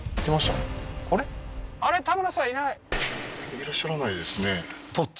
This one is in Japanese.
いらっしゃらないですねどっち？